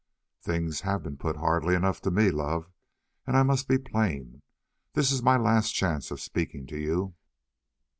"Things have been put hardly enough to me, love, and I must be plain—this is my last chance of speaking to you."